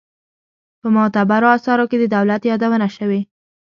په معتبرو آثارو کې د دولت یادونه شوې.